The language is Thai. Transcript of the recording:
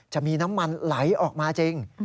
จะมีน้ำมันไหลออกมาจริง